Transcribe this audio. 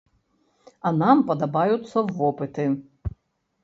А нам падабаюцца вопыты!